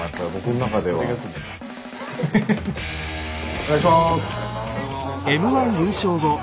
お願いします。